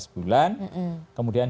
dua belas bulan kemudian